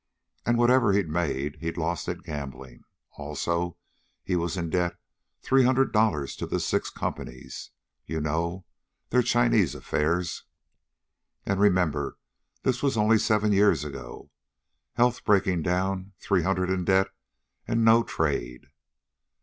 And whatever he'd made he'd lost at gambling. Also, he was in debt three hundred dollars to the Six Companies you know, they're Chinese affairs. And, remember, this was only seven years ago health breaking down, three hundred in debt, and no trade.